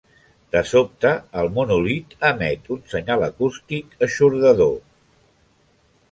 De sobte el monòlit emet un senyal acústic eixordador.